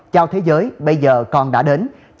chào thế giới bây giờ con đã đến